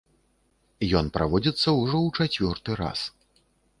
Ён праводзіцца ўжо ў чацвёрты раз.